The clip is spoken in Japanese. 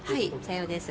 さようです。